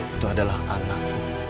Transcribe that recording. itu adalah anakku